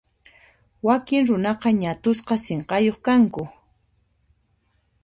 Wakin runaqa ñat'usqa sinqayuq kanku.